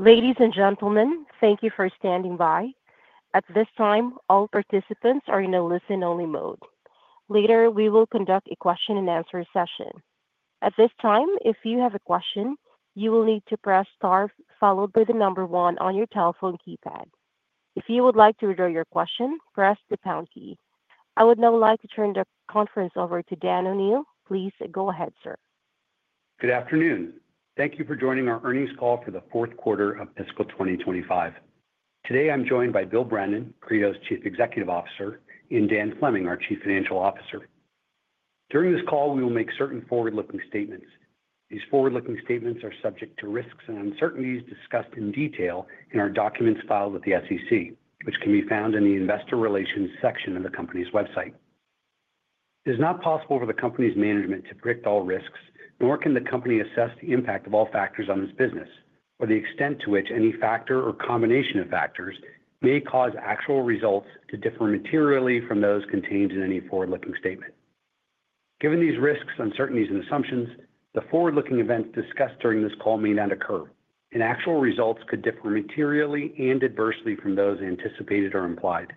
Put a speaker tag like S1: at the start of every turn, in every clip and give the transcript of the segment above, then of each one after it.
S1: Ladies and gentlemen, thank you for standing by. At this time, all participants are in a listen-only mode. Later, we will conduct a question-and-answer session. At this time, if you have a question, you will need to press star followed by the number one on your telephone keypad. If you would like to withdraw your question, press the pound key. I would now like to turn the conference over to Dan O'Neil. Please go ahead, sir.
S2: Good afternoon. Thank you for joining our earnings call for the fourth quarter of fiscal 2025. Today, I'm joined by Bill Brennan, Credo's Chief Executive Officer, and Dan Fleming, our Chief Financial Officer. During this call, we will make certain forward-looking statements. These forward-looking statements are subject to risks and uncertainties discussed in detail in our documents filed with the SEC, which can be found in the investor relations section of the company's website. It is not possible for the company's management to predict all risks, nor can the company assess the impact of all factors on this business, or the extent to which any factor or combination of factors may cause actual results to differ materially from those contained in any forward-looking statement. Given these risks, uncertainties, and assumptions, the forward-looking events discussed during this call may not occur, and actual results could differ materially and adversely from those anticipated or implied.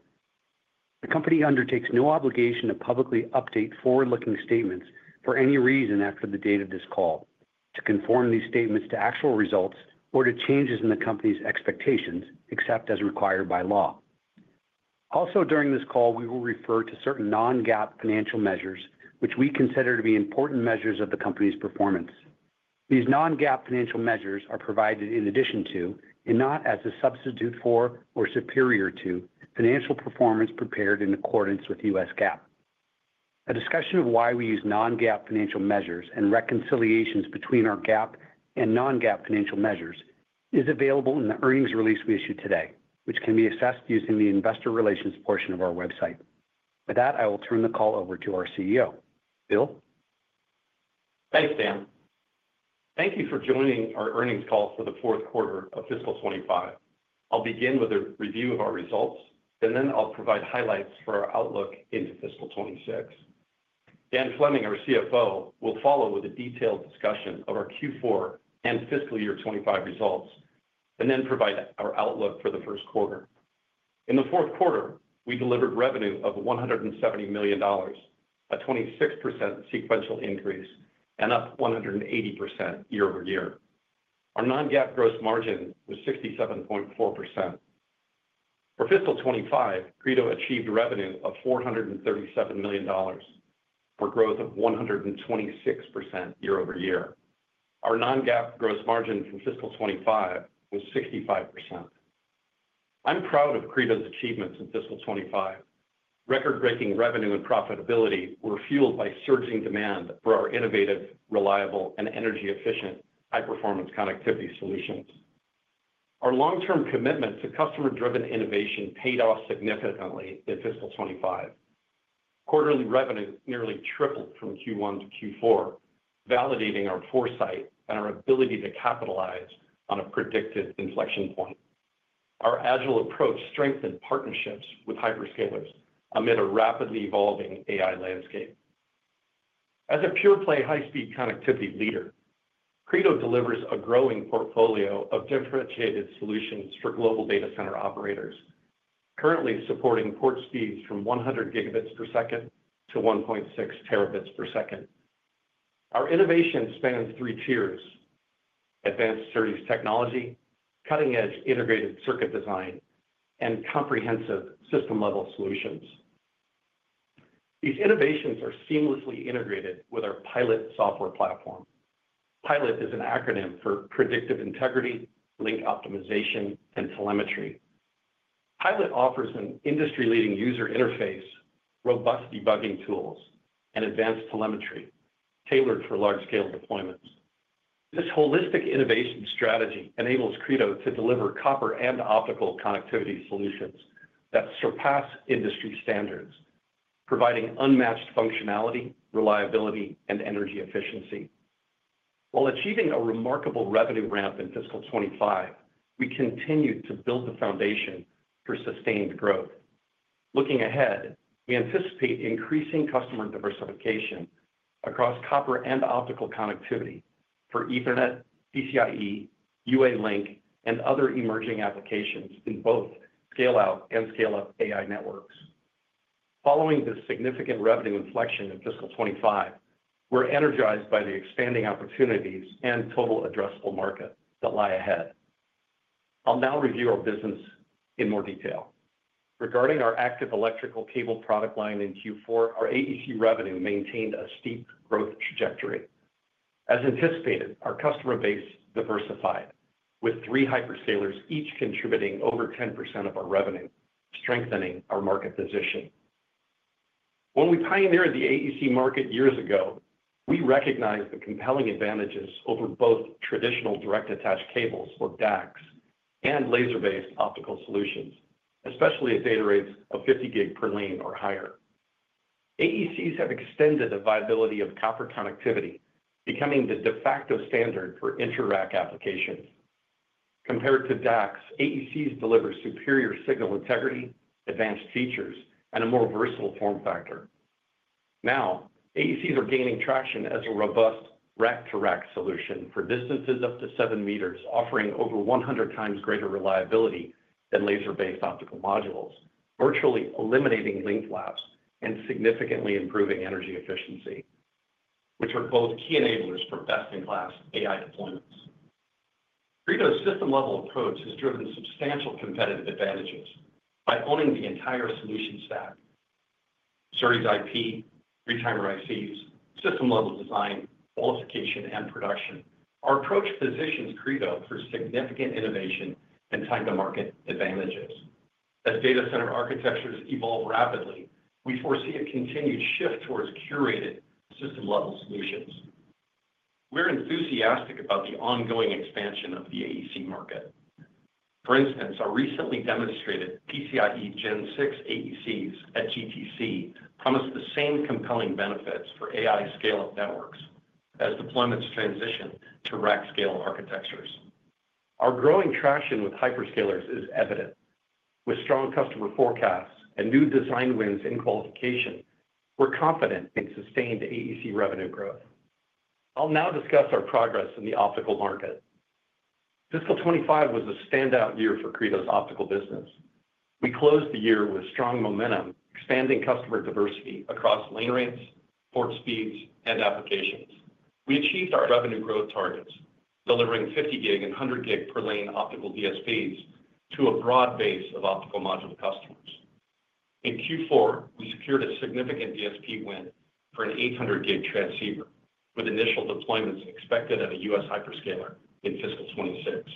S2: The company undertakes no obligation to publicly update forward-looking statements for any reason after the date of this call, to conform these statements to actual results or to changes in the company's expectations, except as required by law. Also, during this call, we will refer to certain non-GAAP financial measures, which we consider to be important measures of the company's performance. These non-GAAP financial measures are provided in addition to, and not as a substitute for or superior to, financial performance prepared in accordance with U.S. GAAP. A discussion of why we use non-GAAP financial measures and reconciliations between our GAAP and non-GAAP financial measures is available in the earnings release we issued today, which can be accessed using the investor relations portion of our website. With that, I will turn the call over to our CEO, Bill.
S3: Thanks, Dan. Thank you for joining our earnings call for the fourth quarter of fiscal 2025. I'll begin with a review of our results, and then I'll provide highlights for our outlook into fiscal 2026. Dan Fleming, our CFO, will follow with a detailed discussion of our Q4 and fiscal year 2025 results, and then provide our outlook for the first quarter. In the fourth quarter, we delivered revenue of $170 million, a 26% sequential increase, and up 180% year-over-year. Our non-GAAP gross margin was 67.4%. For fiscal 2025, Credo achieved a revenue of $437 million, for growth of 126% year-over-year. Our non-GAAP gross margin for fiscal 2025 was 65%. I'm proud of Credo's achievements in fiscal 2025. Record-breaking revenue and profitability were fueled by surging demand for our innovative, reliable, and energy-efficient high-performance connectivity solutions. Our long-term commitment to customer-driven innovation paid off significantly in fiscal 2025. Quarterly revenue nearly tripled from Q1 to Q4, validating our foresight and our ability to capitalize on a predicted inflection point. Our agile approach strengthened partnerships with hyperscalers amid a rapidly evolving AI landscape. As a pure-play high-speed connectivity leader, Credo delivers a growing portfolio of differentiated solutions for global data center operators, currently supporting port speeds from 100 Gbps to 1.6 Tb/s. Our innovation spans three tiers: advanced SerDes technology, cutting-edge integrated circuit design, and comprehensive system-level solutions. These innovations are seamlessly integrated with our PILOT software platform. PILOT is an acronym for predictive integrity, link optimization, and telemetry. PILOT offers an industry-leading user interface, robust debugging tools, and advanced telemetry tailored for large-scale deployments. This holistic innovation strategy enables Credo to deliver copper and optical connectivity solutions that surpass industry standards, providing unmatched functionality, reliability, and energy efficiency. While achieving a remarkable revenue ramp in fiscal 2025, we continue to build the foundation for sustained growth. Looking ahead, we anticipate increasing customer diversification across copper and optical connectivity for Ethernet, PCIe, UALink, and other emerging applications in both scale-out and scale-up AI networks. Following this significant revenue inflection in fiscal 2025, we're energized by the expanding opportunities and total addressable market that lie ahead. I'll now review our business in more detail. Regarding our active electrical cable product line in Q4, our AEC revenue maintained a steep growth trajectory. As anticipated, our customer base diversified, with three hyperscalers each contributing over 10% of our revenue, strengthening our market position. When we pioneered the AEC market years ago, we recognized the compelling advantages over both traditional direct-attached cables, or DACs, and laser-based optical solutions, especially at data rates of 50 gig per lane or higher. AECs have extended the viability of copper connectivity, becoming the de facto standard for inter-rack applications. Compared to DACs, AECs deliver superior signal integrity, advanced features, and a more versatile form factor. Now, AECs are gaining traction as a robust rack-to-rack solution for distances up to 7 m, offering over 100x greater reliability than laser-based optical modules, virtually eliminating link laps and significantly improving energy efficiency, which are both key enablers for best-in-class AI deployments. Credo's system-level approach has driven substantial competitive advantages by owning the entire solution stack. SerDes IP, retimer ICs, system-level design, qualification, and production—our approach positions Credo for significant innovation and time-to-market advantages. As data center architectures evolve rapidly, we foresee a continued shift towards curated system-level solutions. We're enthusiastic about the ongoing expansion of the AEC market. For instance, our recently demonstrated PCIe Gen6 AECs at GTC promise the same compelling benefits for AI scale-up networks as deployments transition to rack-scale architectures. Our growing traction with hyperscalers is evident. With strong customer forecasts and new design wins in qualification, we're confident in sustained AEC revenue growth. I'll now discuss our progress in the optical market. Fiscal 2025 was a standout year for Credo's optical business. We closed the year with strong momentum, expanding customer diversity across lane rates, port speeds, and applications. We achieved our revenue growth targets, delivering 50 G and 100 G per lane optical DSPs to a broad base of optical module customers. In Q4, we secured a significant DSP win for an 800 G Transceiver, with initial deployments expected at a U.S. hyperscaler in fiscal 2026.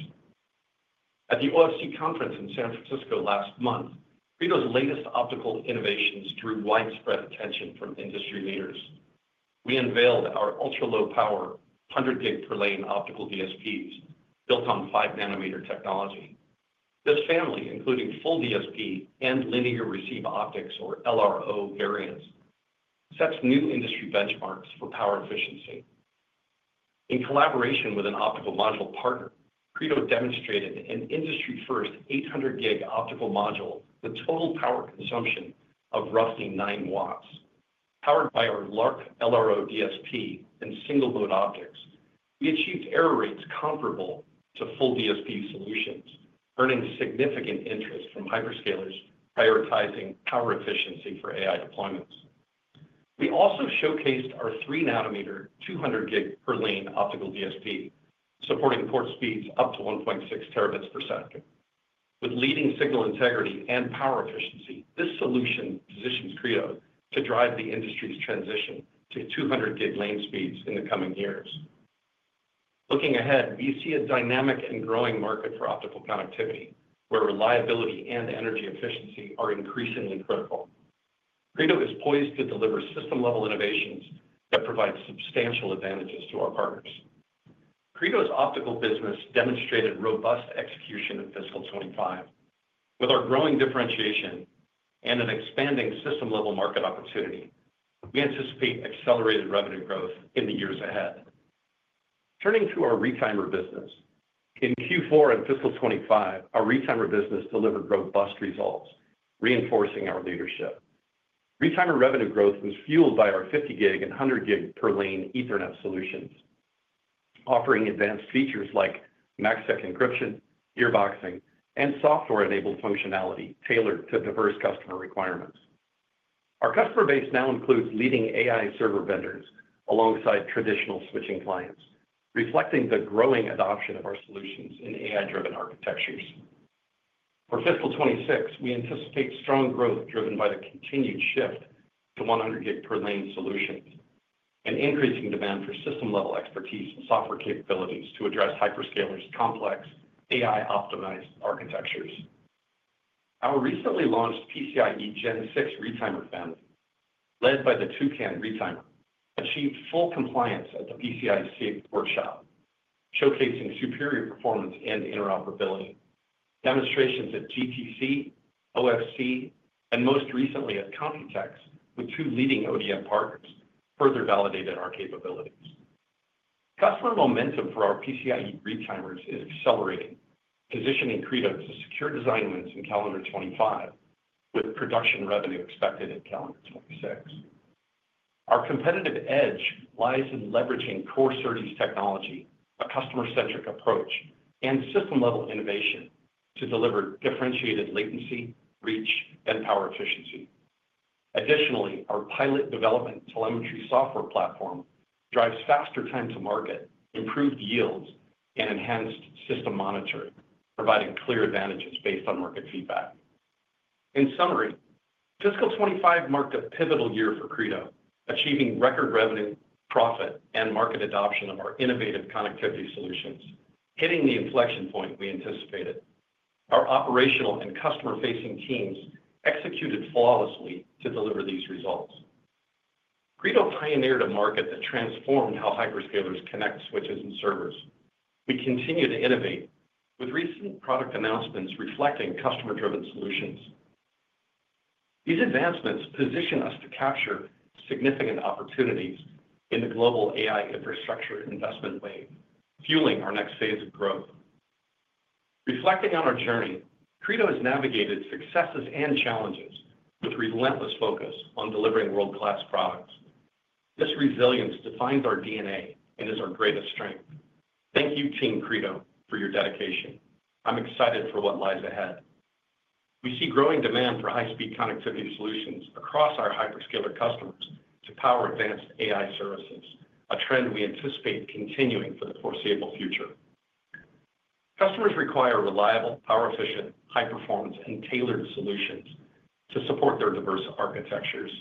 S3: At the OFC conference in San Francisco last month, Credo's latest optical innovations drew widespread attention from industry leaders. We unveiled our ultra-low power 100 G per lane Optical DSPs built on 5-nm technology. This family, including full DSP and Linear Receive Optics, or LRO variants, sets new industry benchmarks for power efficiency. In collaboration with an optical module partner, Credo demonstrated an industry-first 800 G optical module with total power consumption of roughly 9 W. Powered by our LRO LRO DSP and single-mode optics, we achieved error rates comparable to full DSP solutions, earning significant interest from hyperscalers prioritizing power efficiency for AI deployments. We also showcased our 3-nm 200 G per lane Optical DSP, supporting port speeds up to 1.6 Tbps. With leading signal integrity and power efficiency, this solution positions Credo to drive the industry's transition to 200 G lane speeds in the coming years. Looking ahead, we see a dynamic and growing market for optical connectivity, where reliability and energy efficiency are increasingly critical. Credo is poised to deliver system-level innovations that provide substantial advantages to our partners. Credo's optical business demonstrated robust execution in fiscal 2025. With our growing differentiation and an expanding system-level market opportunity, we anticipate accelerated revenue growth in the years ahead. Turning to our retimer business, in Q4 and fiscal 2025, our retimer business delivered robust results, reinforcing our leadership. Retimer revenue growth was fueled by our 50 G and 100 G per lane Ethernet solutions, offering advanced features like MACsec encryption, earboxing, and software-enabled functionality tailored to diverse customer requirements. Our customer base now includes leading AI server vendors alongside traditional switching clients, reflecting the growing adoption of our solutions in AI-driven architectures. For fiscal 2026, we anticipate strong growth driven by the continued shift to 100 G per lane solutions and increasing demand for system-level expertise and software capabilities to address hyperscalers' complex AI-optimized architectures. Our recently launched PCIe Gen6 retimer family, led by the Toucan retimer, achieved full compliance at the PCIe workshop, showcasing superior performance and interoperability. Demonstrations at GTC, OFC, and most recently at Computex with two leading ODM partners further validated our capabilities. Customer momentum for our PCIe retimers is accelerating, positioning Credo to secure design wins in calendar 2025, with production revenue expected in calendar 2026. Our competitive edge lies in leveraging core SerDes technology, a customer-centric approach, and system-level innovation to deliver differentiated latency, reach, and power efficiency. Additionally, our PILOT development telemetry software platform drives faster time to market, improved yields, and enhanced system monitoring, providing clear advantages based on market feedback. In summary, fiscal 2025 marked a pivotal year for Credo, achieving record revenue, profit, and market adoption of our innovative connectivity solutions, hitting the inflection point we anticipated. Our operational and customer-facing teams executed flawlessly to deliver these results. Credo pioneered a market that transformed how hyperscalers connect switches and servers. We continue to innovate, with recent product announcements reflecting customer-driven solutions. These advancements position us to capture significant opportunities in the global AI infrastructure investment wave, fueling our next phase of growth. Reflecting on our journey, Credo has navigated successes and challenges with relentless focus on delivering world-class products. This resilience defines our DNA and is our greatest strength. Thank you, Team Credo, for your dedication. I'm excited for what lies ahead. We see growing demand for high-speed connectivity solutions across our hyperscaler customers to power advanced AI services, a trend we anticipate continuing for the foreseeable future. Customers require reliable, power-efficient, high-performance, and tailored solutions to support their diverse architectures.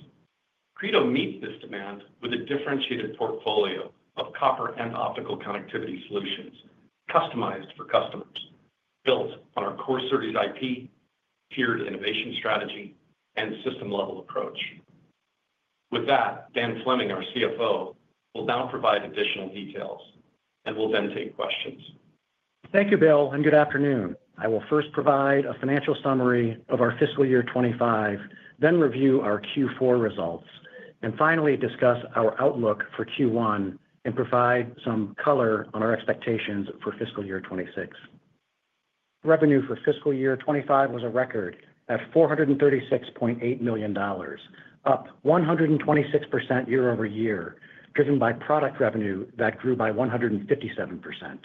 S3: Credo meets this demand with a differentiated portfolio of copper and optical connectivity solutions customized for customers, built on our core SerDes IP, tiered innovation strategy, and system-level approach. With that, Dan Fleming, our CFO, will now provide additional details and will then take questions.
S4: Thank you, Bill, and good afternoon. I will first provide a financial summary of our fiscal year 2025, then review our Q4 results, and finally discuss our outlook for Q1 and provide some color on our expectations for fiscal year 2026. Revenue for fiscal year 2025 was a record at $436.8 million, up 126% year-over-year, driven by product revenue that grew by 157%.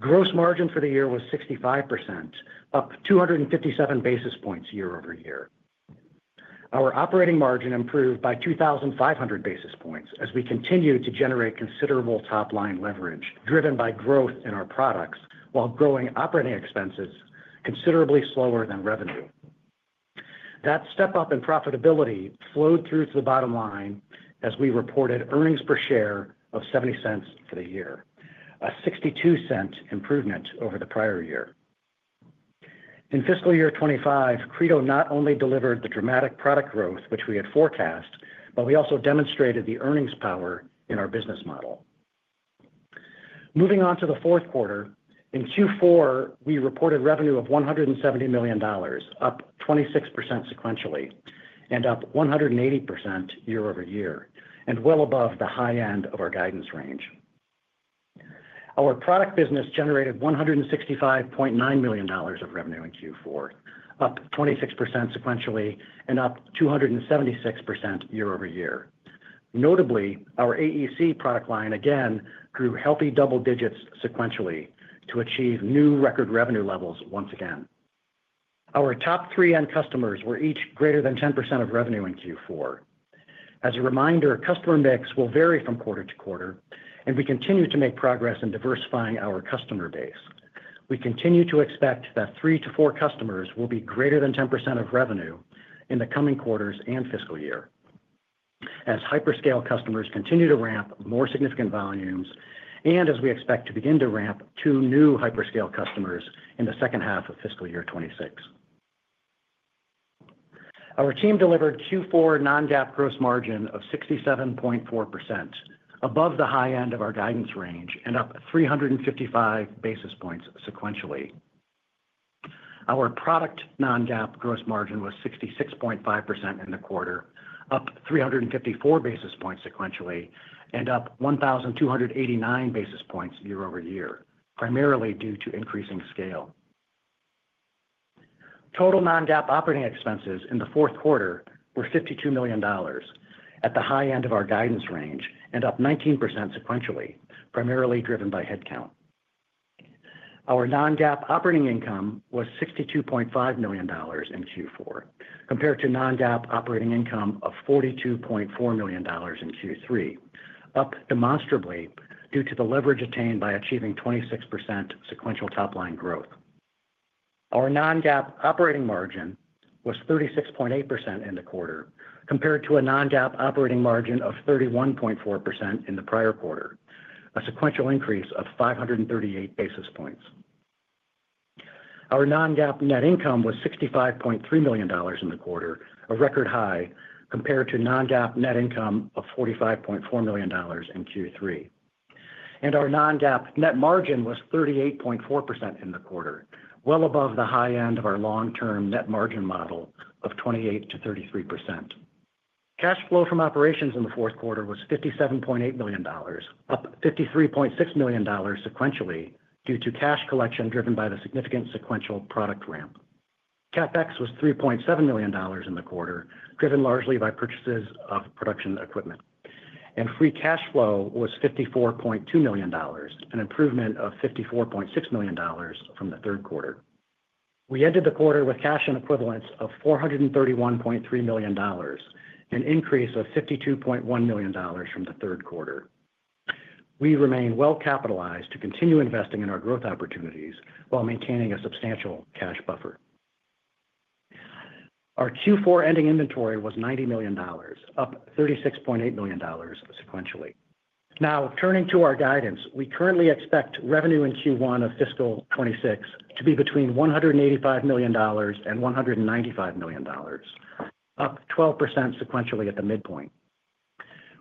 S4: Gross margin for the year was 65%, up 257 basis points year-over-year. Our operating margin improved by 2,500 basis points as we continued to generate considerable top-line leverage driven by growth in our products while growing operating expenses considerably slower than revenue. That step-up in profitability flowed through to the bottom line as we reported earnings per share of $0.70 for the year, a $0.62 improvement over the prior year. In fiscal year 2025, Credo not only delivered the dramatic product growth which we had forecast, but we also demonstrated the earnings power in our business model. Moving on to the fourth quarter, in Q4, we reported revenue of $170 million, up 26% sequentially and up 180% year-over-year, and well above the high end of our guidance range. Our product business generated $165.9 million of revenue in Q4, up 26% sequentially and up 276% year-over-year. Notably, our AEC product line again grew healthy double digits sequentially to achieve new record revenue levels once again. Our top three end customers were each greater than 10% of revenue in Q4. As a reminder, customer mix will vary from quarter to quarter, and we continue to make progress in diversifying our customer base. We continue to expect that three to four customers will be greater than 10% of revenue in the coming quarters and fiscal year, as hyperscale customers continue to ramp more significant volumes, and as we expect to begin to ramp two new hyperscale customers in the second half of fiscal year 2026. Our team delivered Q4 non-GAAP gross margin of 67.4%, above the high end of our guidance range and up 355 basis points sequentially. Our product non-GAAP gross margin was 66.5% in the quarter, up 354 basis points sequentially and up 1,289 basis points year-over-year, primarily due to increasing scale. Total non-GAAP operating expenses in the fourth quarter were $52 million at the high end of our guidance range and up 19% sequentially, primarily driven by headcount. Our non-GAAP operating income was $62.5 million in Q4, compared to non-GAAP operating income of $42.4 million in Q3, up demonstrably due to the leverage attained by achieving 26% sequential top-line growth. Our non-GAAP operating margin was 36.8% in the quarter, compared to a non-GAAP operating margin of 31.4% in the prior quarter, a sequential increase of 538 basis points. Our non-GAAP net income was $65.3 million in the quarter, a record high compared to non-GAAP net income of $45.4 million in Q3. Our non-GAAP net margin was 38.4% in the quarter, well above the high end of our long-term net margin model of 28%-33%. Cash flow from operations in the fourth quarter was $57.8 million, up $53.6 million sequentially due to cash collection driven by the significant sequential product ramp. CapEx was $3.7 million in the quarter, driven largely by purchases of production equipment. Free cash flow was $54.2 million, an improvement of $54.6 million from the third quarter. We ended the quarter with cash and equivalents of $431.3 million, an increase of $52.1 million from the third quarter. We remain well capitalized to continue investing in our growth opportunities while maintaining a substantial cash buffer. Our Q4 ending inventory was $90 million, up $36.8 million sequentially. Now, turning to our guidance, we currently expect revenue in Q1 of fiscal 2026 to be between $185 million and $195 million, up 12% sequentially at the midpoint.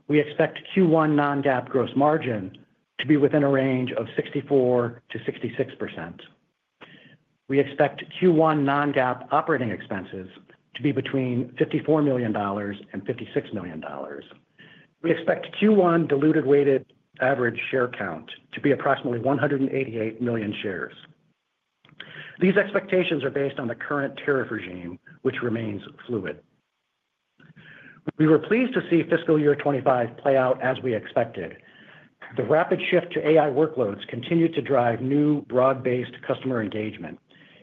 S4: We expect Q1 non-GAAP gross margin to be within a range of 64%-66%. We expect Q1 non-GAAP operating expenses to be between $54 million and $56 million. We expect Q1 diluted-weighted average share count to be approximately 188 million shares. These expectations are based on the current tariff regime, which remains fluid. We were pleased to see fiscal year 2025 play out as we expected. The rapid shift to AI workloads continued to drive new broad-based customer engagement,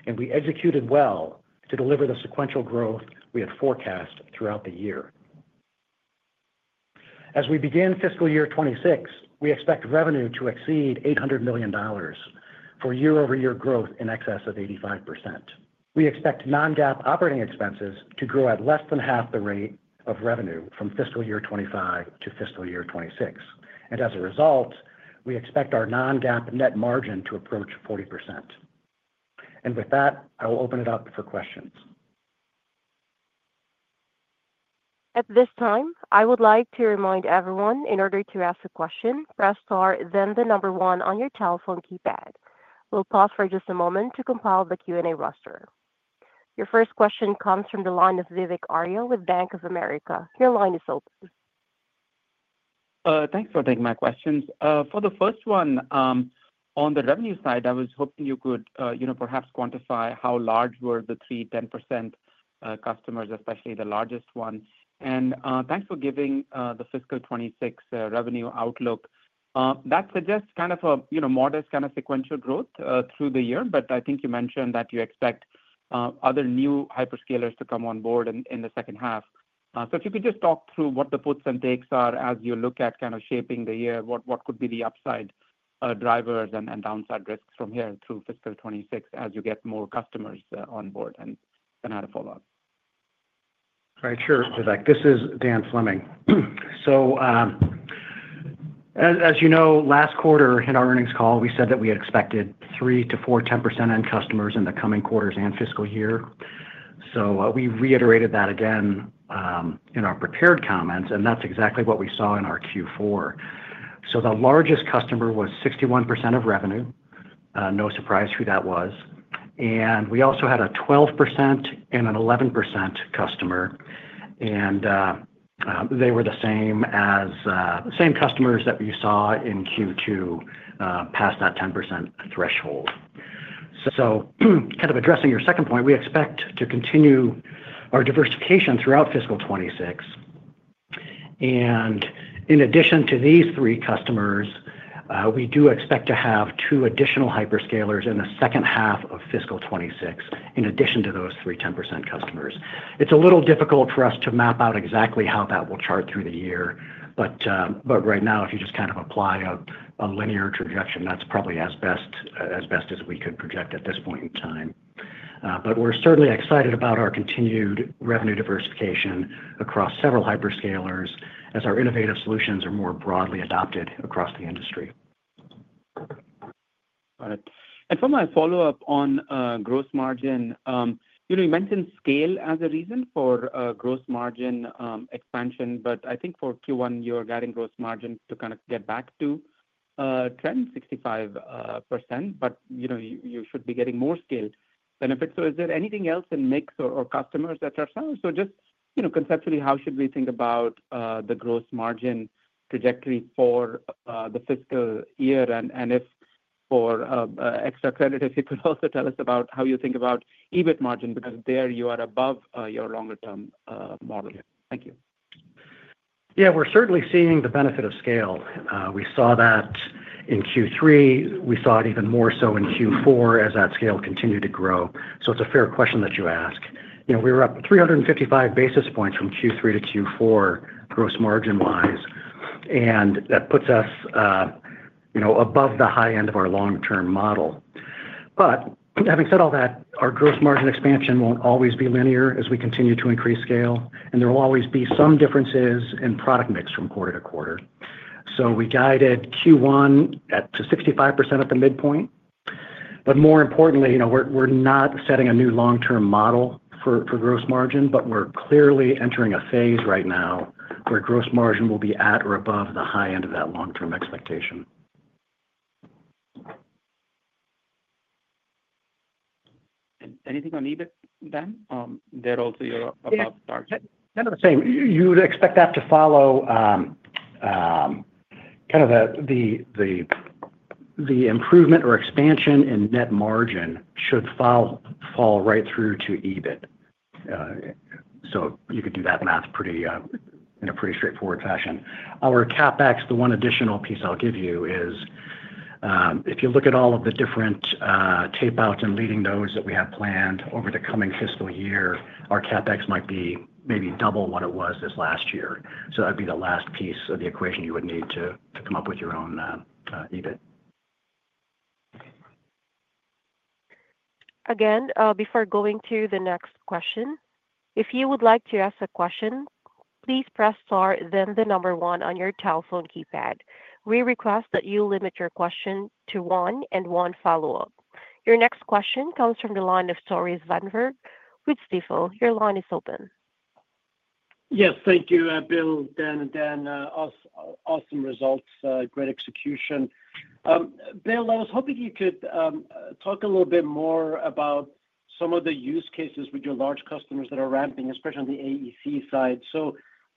S4: and we executed well to deliver the sequential growth we had forecast throughout the year. As we begin fiscal year 2026, we expect revenue to exceed $800 million for year-over-year growth in excess of 85%. We expect non-GAAP operating expenses to grow at less than half the rate of revenue from fiscal year 2025 to fiscal year 2026. As a result, we expect our non-GAAP net margin to approach 40%. With that, I will open it up for questions.
S1: At this time, I would like to remind everyone in order to ask a question press star then the number one on your telephone keypad. We'll pause for just a moment to compile the Q&A roster. Your first question comes from the line of Vivek Arya with Bank of America. Your line is open.
S5: Thanks for taking my questions. For the first one, on the revenue side, I was hoping you could perhaps quantify how large were the three 10% customers, especially the largest one. Thanks for giving the fiscal 2026 revenue outlook. That suggests kind of a modest kind of sequential growth through the year, but I think you mentioned that you expect other new hyperscalers to come on board in the second half. If you could just talk through what the puts and takes are as you look at kind of shaping the year, what could be the upside drivers and downside risks from here through fiscal 2026 as you get more customers on board and kind of follow up.
S4: All right. Sure, Vivek. This is Dan Fleming. As you know, last quarter in our earnings call, we said that we had expected three to four 10% end customers in the coming quarters and fiscal year. We reiterated that again in our prepared comments, and that is exactly what we saw in our Q4. The largest customer was 61% of revenue. No surprise who that was. We also had a 12% and an 11% customer, and they were the same customers that you saw in Q2 past that 10% threshold. Kind of addressing your second point, we expect to continue our diversification throughout fiscal 2026. In addition to these three customers, we do expect to have two additional hyperscalers in the second half of fiscal 2026 in addition to those three 10% customers. It is a little difficult for us to map out exactly how that will chart through the year, but right now, if you just kind of apply a linear projection, that is probably as best as we could project at this point in time. We are certainly excited about our continued revenue diversification across several hyperscalers as our innovative solutions are more broadly adopted across the industry.
S5: Got it. For my follow-up on gross margin, you mentioned scale as a reason for gross margin expansion, but I think for Q1, you're getting gross margin to kind of get back to trend 65%, but you should be getting more scale benefits. Is there anything else in mix or customers that are sound? Just conceptually, how should we think about the gross margin trajectory for the fiscal year? And for extra credit, if you could also tell us about how you think about EBIT margin because there you are above your longer-term model. Thank you.
S4: Yeah, we're certainly seeing the benefit of scale. We saw that in Q3. We saw it even more so in Q4 as that scale continued to grow. It's a fair question that you ask. We were up 355 basis points from Q3 to Q4 gross margin-wise, and that puts us above the high end of our long-term model. Having said all that, our gross margin expansion will not always be linear as we continue to increase scale, and there will always be some differences in product mix from quarter to quarter. We guided Q1 to 65% at the midpoint, but more importantly, we are not setting a new long-term model for gross margin, but we are clearly entering a phase right now where gross margin will be at or above the high end of that long-term expectation.
S5: Anything on EBIT then? There also you are about to start.
S4: None of the same. You would expect that to follow kind of the improvement or expansion in net margin should fall right through to EBIT. You could do that math in a pretty straightforward fashion. Our CapEx, the one additional piece I'll give you is if you look at all of the different tape-outs and leading those that we have planned over the coming fiscal year, our CapEx might be maybe double what it was this last year. So that'd be the last piece of the equation you would need to come up with your own EBIT.
S1: Again, before going to the next question, if you would like to ask a question, please press star then the number one on your telephone keypad. We request that you limit your question to one and one follow-up. Your next question comes from the line of Tore Svanberg with Stifel. Your line is open.
S6: Yes, thank you, Bill, Dan, and Dan, awesome results, great execution. Bill, I was hoping you could talk a little bit more about some of the use cases with your large customers that are ramping, especially on the AEC side.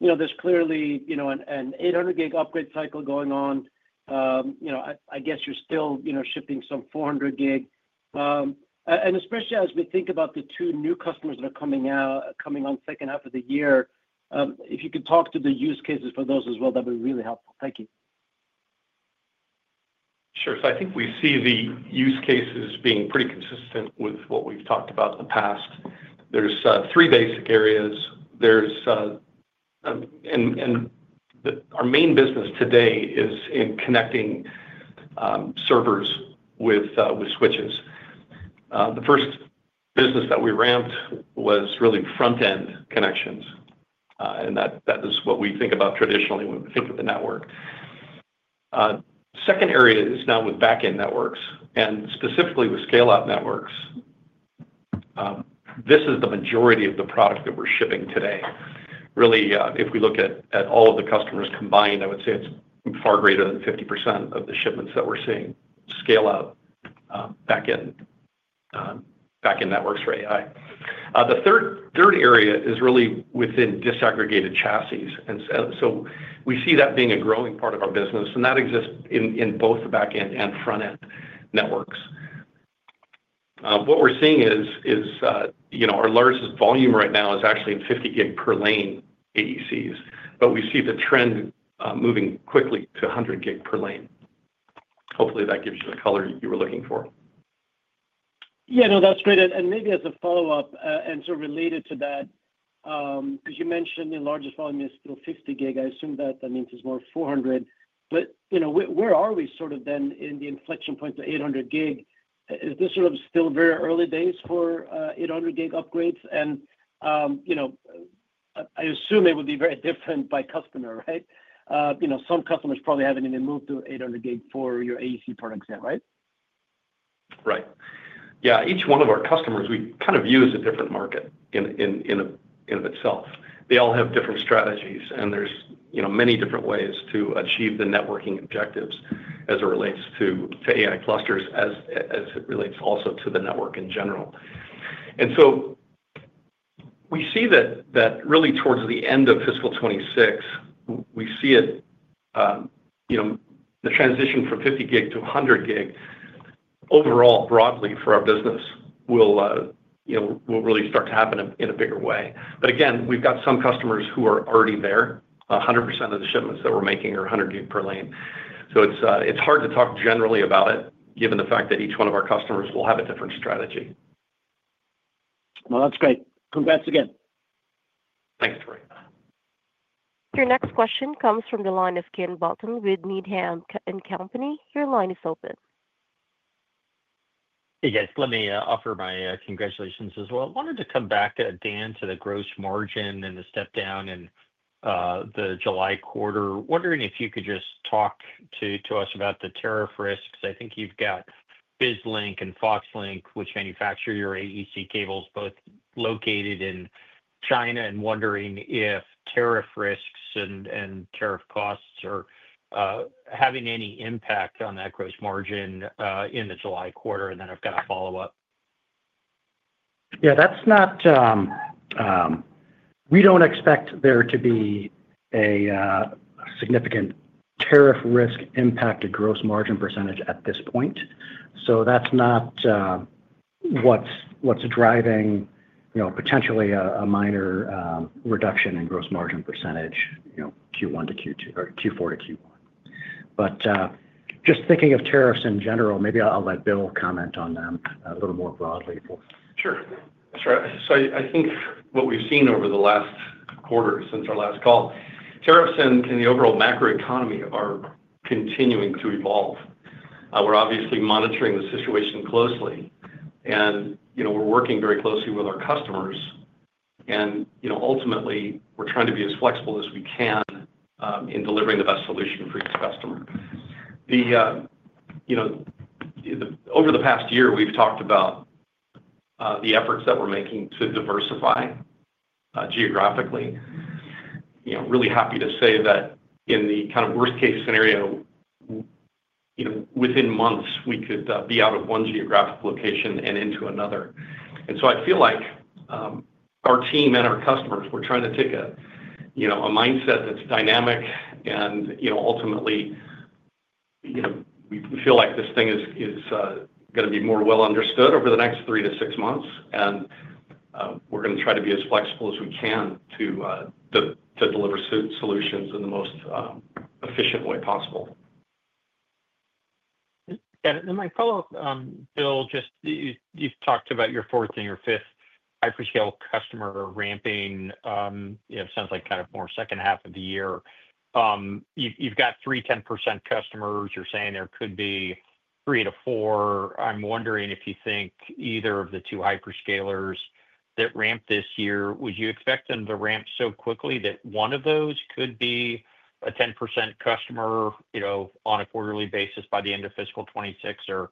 S6: There is clearly an 800-G upgrade cycle going on. I guess you're still shipping some 400-G. Especially as we think about the two new customers that are coming out, coming on second half of the year, if you could talk to the use cases for those as well, that would be really helpful. Thank you.
S3: Sure. I think we see the use cases being pretty consistent with what we've talked about in the past. There are three basic areas. Our main business today is in connecting servers with switches. The first business that we ramped was really front-end connections, and that is what we think about traditionally when we think of the network. Second area is now with back-end networks and specifically with scale-out networks. This is the majority of the product that we're shipping today. Really, if we look at all of the customers combined, I would say it's far greater than 50% of the shipments that we're seeing scale-out back-end networks for AI. The third area is really within disaggregated chassis. And so we see that being a growing part of our business, and that exists in both the back-end and front-end networks. What we're seeing is our largest volume right now is actually in 50 G per lane AECs, but we see the trend moving quickly to 100 G per lane. Hopefully, that gives you the color you were looking for.
S6: Yeah, no, that's great. And maybe as a follow-up and so related to that, because you mentioned the largest volume is still 50 G, I assume that means it's more 400 G. Where are we sort of then in the inflection point to 800 G? Is this sort of still very early days for 800 G upgrades? I assume it would be very different by customer, right? Some customers probably have not even moved to 800 G for your AEC products, right?
S3: Right. Yeah. Each one of our customers, we kind of view as a different market in and of itself. They all have different strategies, and there are many different ways to achieve the networking objectives as it relates to AI clusters, as it relates also to the network in general. We see that really towards the end of fiscal 2026, we see the transition from 50 G-100 G overall broadly for our business will really start to happen in a bigger way. Again, we have some customers who are already there. 100% of the shipments that we're making are 100-gig per lane. It is hard to talk generally about it, given the fact that each one of our customers will have a different strategy.
S6: That is great. Congrats again.
S3: Thanks, Terry.
S1: Your next question comes from the line of Quinn Bolton with Needham & Company. Your line is open.
S7: Yes. Let me offer my congratulations as well. I wanted to come back, Dan, to the gross margin and the step-down in the July quarter. Wondering if you could just talk to us about the tariff risks. I think you have got BizLink and Foxlink, which manufacture your AEC cables, both located in China, and wondering if tariff risks and tariff costs are having any impact on that gross margin in the July quarter. I have got a follow-up.
S4: Yeah, we do not expect there to be a significant tariff risk impacted gross margin percentage at this point. That is not what is driving potentially a minor reduction in gross margin percentage Q1 to Q4 to Q1. Just thinking of tariffs in general, maybe I will let Bill comment on them a little more broadly.
S3: Sure. I think what we have seen over the last quarter since our last call, tariffs and the overall macroeconomy are continuing to evolve. We are obviously monitoring the situation closely, and we are working very closely with our customers. Ultimately, we are trying to be as flexible as we can in delivering the best solution for each customer. Over the past year, we have talked about the efforts that we are making to diversify geographically. Really happy to say that in the kind of worst-case scenario, within months, we could be out of one geographic location and into another. I feel like our team and our customers, we're trying to take a mindset that's dynamic. Ultimately, we feel like this thing is going to be more well understood over the next three to six months. We're going to try to be as flexible as we can to deliver solutions in the most efficient way possible.
S7: My follow-up, Bill, just you've talked about your fourth and your fifth hyperscale customer ramping. It sounds like kind of more second half of the year. You've got three 10% customers. You're saying there could be three to four. I'm wondering if you think either of the two hyperscalers that ramped this year, would you expect them to ramp so quickly that one of those could be a 10% customer on a quarterly basis by the end of fiscal 2026? Or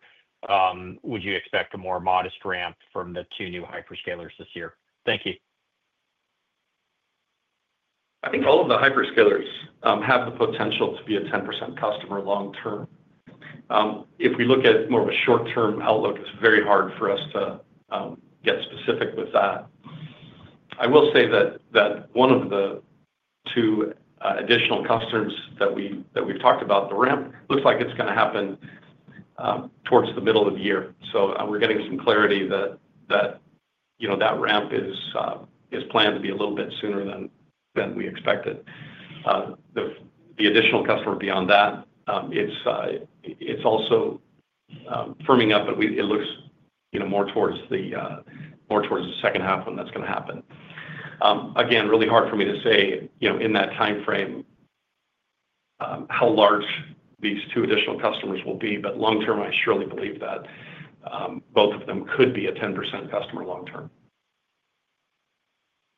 S7: would you expect a more modest ramp from the two new hyperscalers this year? Thank you.
S3: I think all of the hyperscalers have the potential to be a 10% customer long-term. If we look at more of a short-term outlook, it's very hard for us to get specific with that. I will say that one of the two additional customers that we've talked about, the ramp, looks like it's going to happen towards the middle of the year. We are getting some clarity that that ramp is planned to be a little bit sooner than we expected. The additional customer beyond that, it's also firming up, but it looks more towards the second half when that's going to happen. Again, really hard for me to say in that timeframe how large these two additional customers will be, but long-term, I surely believe that both of them could be a 10% customer long-term.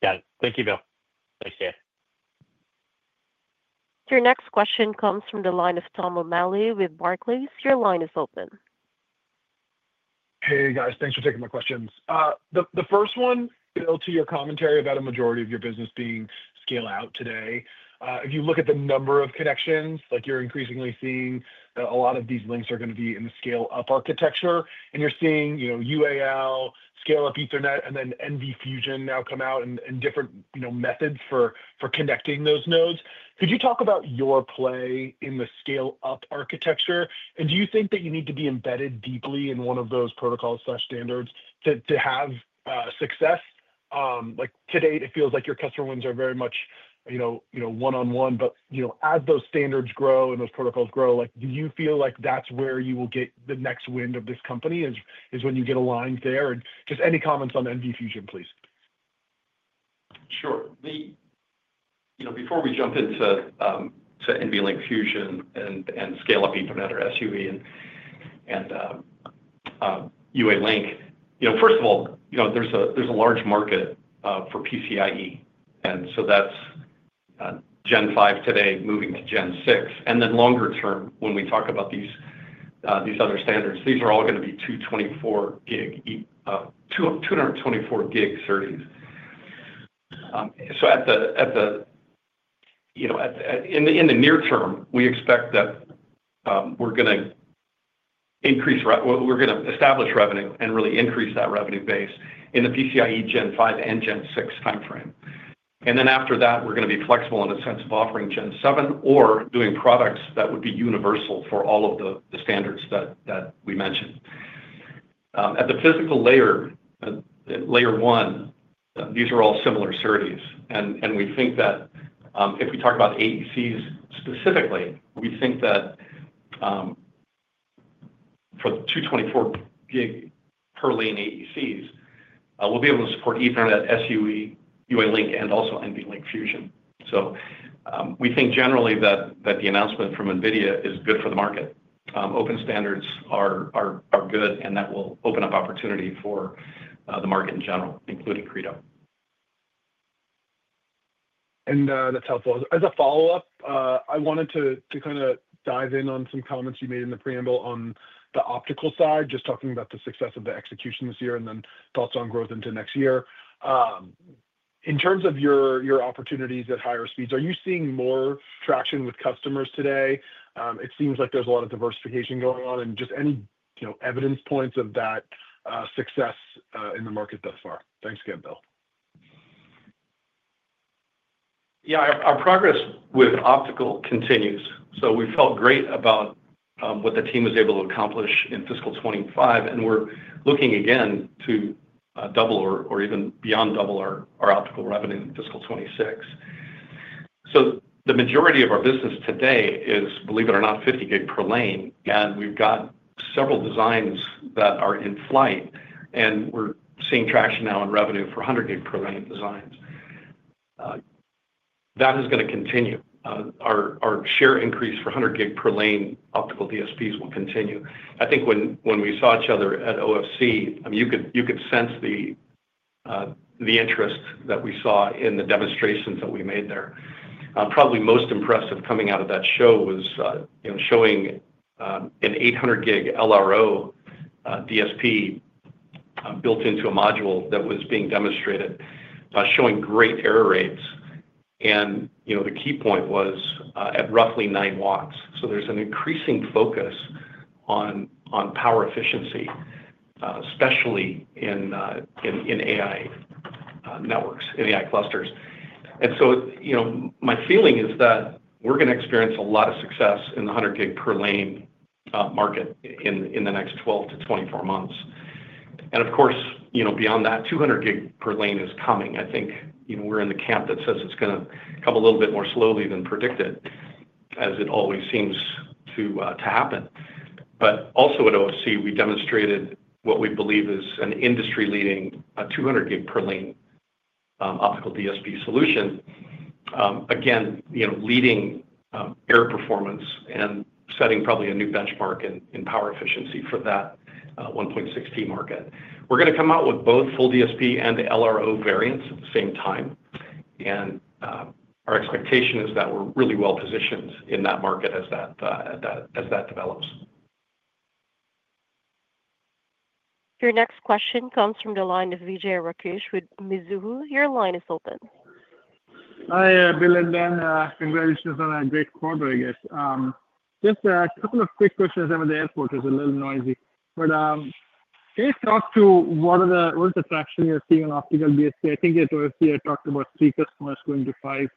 S7: Got it. Thank you, Bill.
S3: Thanks, Quinn.
S1: Your next question comes from the line of Tom O'Malley with Barclays. Your line is open.
S8: Hey, guys. Thanks for taking my questions. The first one, Bill, to your commentary about a majority of your business being scale-out today. If you look at the number of connections, you're increasingly seeing a lot of these links are going to be in the scale-up architecture. And you're seeing UAL, scale-up Ethernet, and then NVLink Fusion now come out in different methods for connecting those nodes. Could you talk about your play in the scale-up architecture? Do you think that you need to be embedded deeply in one of those protocols or standards to have success? Today, it feels like your customer wins are very much one-on-one, but as those standards grow and those protocols grow, do you feel like that's where you will get the next wind of this company is when you get aligned there? Any comments on NVLink Fusion, please.
S3: Sure. Before we jump into NVLink Fusion and scale-up Ethernet or SUE and UALink, first of all, there's a large market for PCIe. That's Gen5 today moving to Gen6. Longer term, when we talk about these other standards, these are all going to be 224-G SerDes. In the near term, we expect that we're going to increase, we're going to establish revenue and really increase that revenue base in the PCIe Gen5 and Gen6 timeframe. After that, we're going to be flexible in the sense of offering Gen7 or doing products that would be universal for all of the standards that we mentioned. At the physical layer, layer one, these are all similar SerDes. We think that if we talk about AECs specifically, we think that for 224-G per lane AECs, we'll be able to support Ethernet, CXL, UALink, and also NVLink Fusion. We think generally that the announcement from NVIDIA is good for the market. Open standards are good, and that will open up opportunity for the market in general, including Credo.
S8: That's helpful. As a follow-up, I wanted to kind of dive in on some comments you made in the preamble on the optical side, just talking about the success of the execution this year and then thoughts on growth into next year. In terms of your opportunities at higher speeds, are you seeing more traction with customers today? It seems like there's a lot of diversification going on. Just any evidence points of that success in the market thus far? Thanks again, Bill.
S3: Yeah, our progress with optical continues. We felt great about what the team was able to accomplish in fiscal 2025. We're looking again to double or even beyond double our optical revenue in fiscal 2026. The majority of our business today is, believe it or not, 50 G per lane. We've got several designs that are in flight. We're seeing traction now in revenue for 100 G per lane designs. That is going to continue. Our share increase for 100 G per lane optical DSPs will continue. I think when we saw each other at OFC, you could sense the interest that we saw in the demonstrations that we made there. Probably most impressive coming out of that show was showing an 800 G LRO DSP built into a module that was being demonstrated, showing great error rates. The key point was at roughly 9 W. There is an increasing focus on power efficiency, especially in AI networks, in AI clusters. My feeling is that we're going to experience a lot of success in the 100-G per lane market in the next 12-24 months. Of course, beyond that, 200 G per lane is coming. I think we're in the camp that says it's going to come a little bit more slowly than predicted, as it always seems to happen. Also at OFC, we demonstrated what we believe is an industry-leading 200 G per lane optical DSP solution, again, leading error performance and setting probably a new benchmark in power efficiency for that 1.6T market. We're going to come out with both full DSP and LRO variants at the same time. Our expectation is that we're really well positioned in that market as that develops.
S1: Your next question comes from the line of Vijay Rakesh with Mizuho. Your line is open.
S9: Hi, Bill and Dan. Congratulations on a great quarter, I guess. Just a couple of quick questions. I'm at the airport. It's a little noisy. Can you talk to what is the traction you're seeing on optical DSP? I think at OFC, I talked about three customers going to five.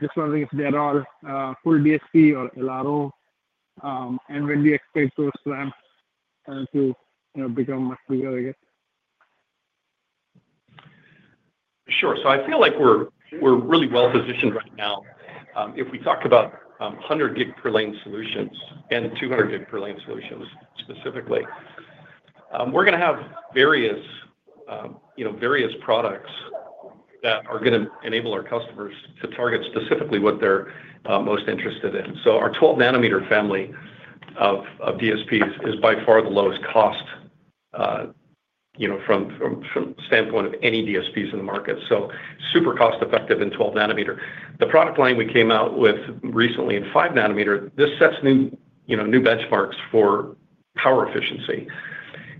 S9: Just wondering if they're all full DSP or LRO, and when do you expect those ramps to become much bigger, I guess?
S3: Sure. I feel like we're really well positioned right now. If we talk about 100 G per lane solutions and 200 G per lane solutions specifically, we're going to have various products that are going to enable our customers to target specifically what they're most interested in. Our 12-nm family of DSPs is by far the lowest cost from the standpoint of any DSPs in the market. Super cost-effective in 12-nm. The product line we came out with recently in 5 nm, this sets new benchmarks for power efficiency.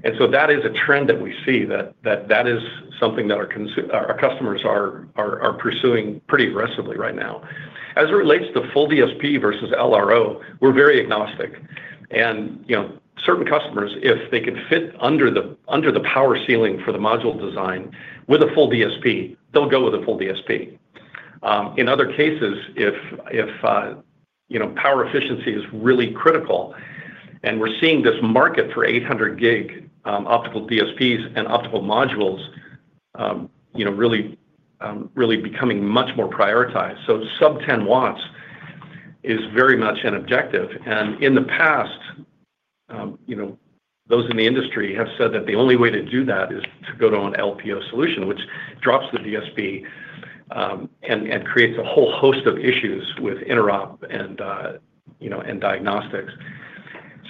S3: That is a trend that we see, that is something that our customers are pursuing pretty aggressively right now. As it relates to full DSP versus LRO, we're very agnostic. Certain customers, if they can fit under the power ceiling for the module design with a full DSP, they'll go with a full DSP. In other cases, if power efficiency is really critical, and we're seeing this market for 800 Goptical DSPs and optical modules really becoming much more prioritized. Sub-10 W is very much an objective. In the past, those in the industry have said that the only way to do that is to go to an LPO solution, which drops the DSP and creates a whole host of issues with interop and diagnostics.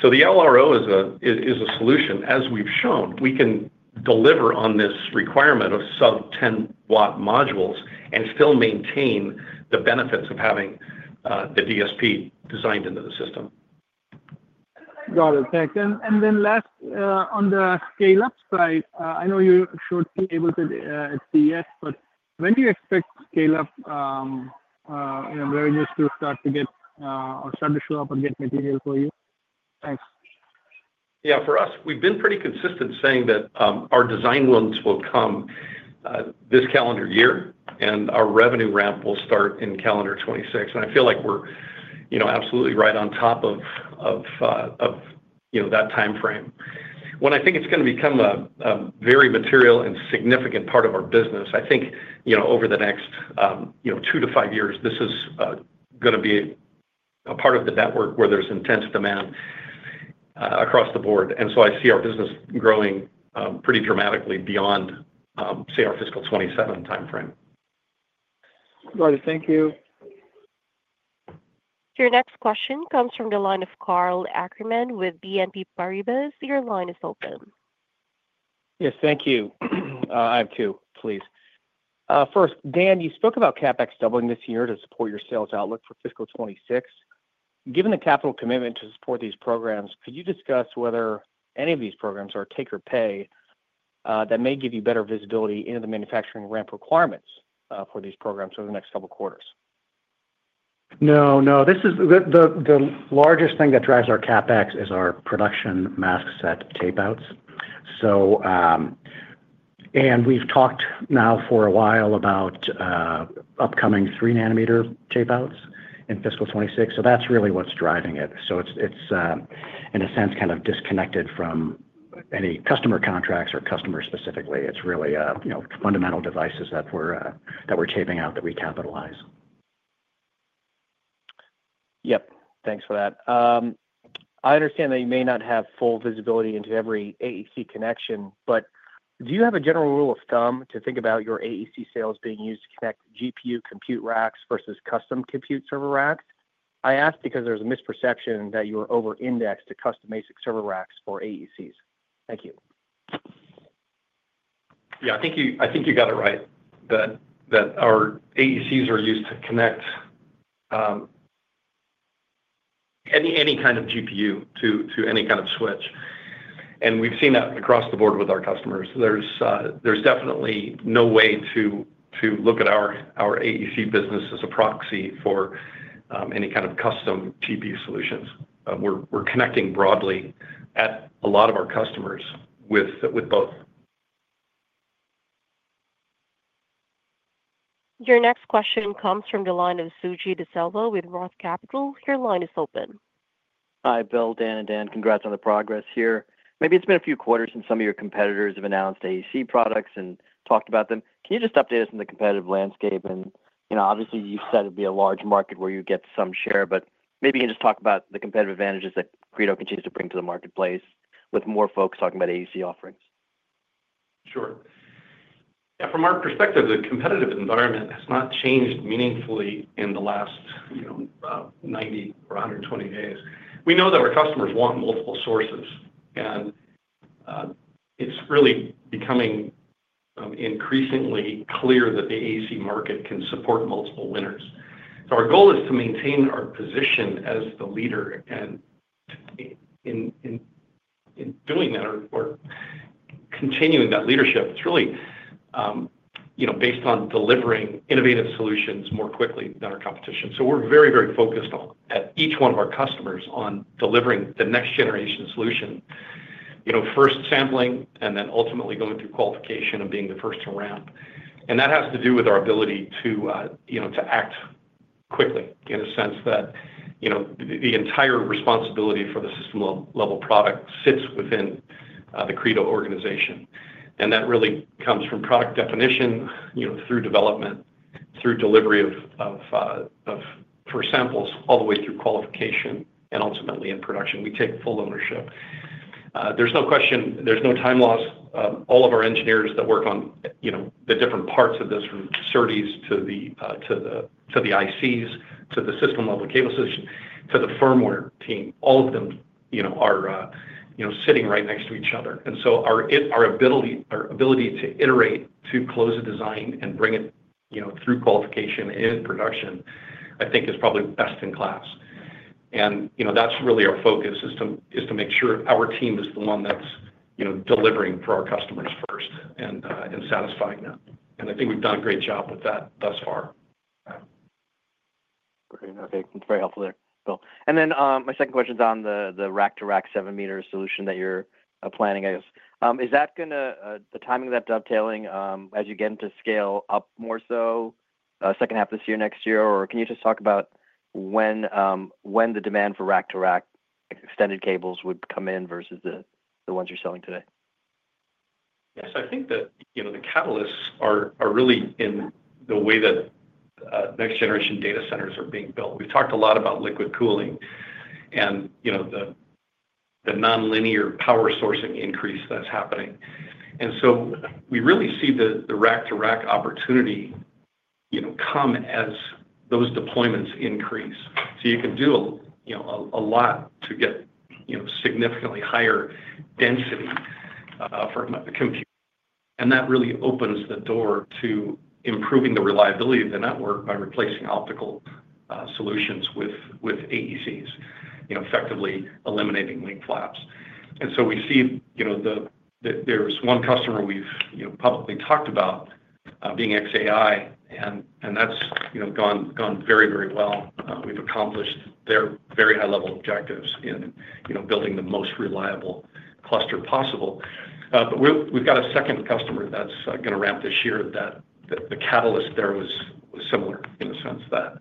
S3: The LRO is a solution. As we've shown, we can deliver on this requirement of sub-10-W modules and still maintain the benefits of having the DSP designed into the system.
S9: Got it. Thanks. Last, on the scale-up side, I know you should be able to see it, but when do you expect scale-up revenues to start to get or start to show up and get material for you? Thanks.
S3: Yeah. For us, we've been pretty consistent saying that our design wins will come this calendar year, and our revenue ramp will start in calendar 2026. I feel like we're absolutely right on top of that timeframe. When I think it's going to become a very material and significant part of our business, I think over the next two to five years, this is going to be a part of the network where there's intense demand across the board. I see our business growing pretty dramatically beyond, say, our fiscal 2027 timeframe.
S9: Got it. Thank you.
S1: \Your next question comes from the line of Karl Ackerman with BNP Paribas. Your line is open.
S10: Yes. Thank you. I have two, please. First, Dan, you spoke about CapEx doubling this year to support your sales outlook for fiscal 2026. Given the capital commitment to support these programs, could you discuss whether any of these programs are take or pay that may give you better visibility into the manufacturing ramp requirements for these programs over the next couple of quarters?
S4: No, no. The largest thing that drives our CapEx is our production maskset tapeouts. And we've talked now for a while about upcoming 3-nm tapeouts in fiscal 2026. That's really what's driving it. It's, in a sense, kind of disconnected from any customer contracts or customers specifically. It's really fundamental devices that we're taping out that we capitalize.
S10: Yep. Thanks for that. I understand that you may not have full visibility into every AEC connection, but do you have a general rule of thumb to think about your AEC sales being used to connect GPU compute racks versus custom compute server racks? I ask because there's a misperception that you're over-indexed to custom ASIC server racks for AECs. Thank you.
S3: Yeah. I think you got it right, that our AECs are used to connect any kind of GPU to any kind of switch. And we've seen that across the board with our customers. There's definitely no way to look at our AEC business as a proxy for any kind of custom GPU solutions. We're connecting broadly at a lot of our customers with both.
S1: Your next question comes from the line of Suji Desilva with ROTH Capital. Your line is open.
S11: Hi, Bill, Dan, and Dan. Congrats on the progress here. Maybe it's been a few quarters since some of your competitors have announced AEC products and talked about them. Can you just update us on the competitive landscape? Obviously, you've said it'd be a large market where you get some share, but maybe you can just talk about the competitive advantages that Credo continues to bring to the marketplace with more folks talking about AEC offerings.
S3: Sure. Yeah. From our perspective, the competitive environment has not changed meaningfully in the last 90 or 120 days. We know that our customers want multiple sources. It's really becoming increasingly clear that the AEC market can support multiple winners. Our goal is to maintain our position as the leader. In doing that or continuing that leadership, it's really based on delivering innovative solutions more quickly than our competition. We're very, very focused at each one of our customers on delivering the next-generation solution, first sampling, and then ultimately going through qualification and being the first to ramp. That has to do with our ability to act quickly in a sense that the entire responsibility for the system-level product sits within the Credo organization. That really comes from product definition through development, through delivery for samples, all the way through qualification, and ultimately in production. We take full ownership. There's no question. There's no time loss. All of our engineers that work on the different parts of this, from SerDes to the ICs to the system-level cable solution to the firmware team, all of them are sitting right next to each other. Our ability to iterate, to close a design, and bring it through qualification and into production, I think, is probably best in class. That is really our focus, to make sure our team is the one that is delivering for our customers first and satisfying them. I think we have done a great job with that thus far.
S11: Great. Okay. That is very helpful there, Bill. My second question is on the rack-to-rack 7-m solution that you are planning, I guess. Is the timing of that dovetailing as you get into scale-up more so second half this year, next year? Can you just talk about when the demand for rack-to-rack extended cables would come in versus the ones you are selling today?
S3: Yes. I think that the catalysts are really in the way that next-generation data centers are being built. We've talked a lot about liquid cooling and the non-linear power sourcing increase that's happening. We really see the rack-to-rack opportunity come as those deployments increase. You can do a lot to get significantly higher density for compute. That really opens the door to improving the reliability of the network by replacing optical solutions with AECs, effectively eliminating link flaps. We see that there's one customer we've publicly talked about being xAI, and that's gone very, very well. We've accomplished their very high-level objectives in building the most reliable cluster possible. We've got a second customer that's going to ramp this year. The catalyst there was similar in the sense that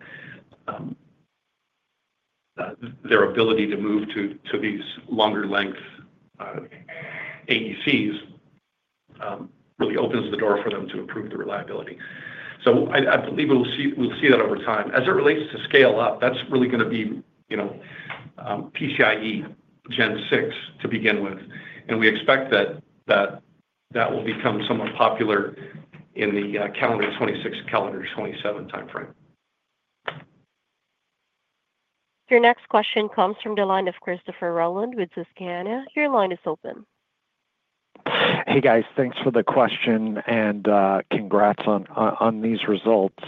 S3: their ability to move to these longer-length AECs really opens the door for them to improve the reliability. I believe we'll see that over time. As it relates to scale-up, that's really going to be PCIe Gen6 to begin with. We expect that that will become somewhat popular in the calendar 2026, calendar 2027 timeframe.
S1: Your next question comes from the line of Christopher Rolland with Susquehanna. Your line is open.
S12: Hey, guys. Thanks for the question. Congrats on these results.